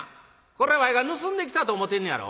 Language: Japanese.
これわいが盗んできたと思てんねやろ。